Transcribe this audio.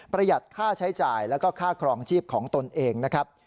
หัดค่าใช้จ่ายแล้วก็ค่าครองชีพของตนเองนะครับ